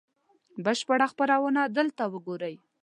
بشپړه خپرونه دلته وګورئ